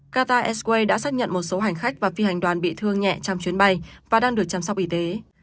qatar airways đã xác nhận một số hành khách và phi hành đoàn bị thương nhẹ trong chuyến bay và đang được chăm sóc y tế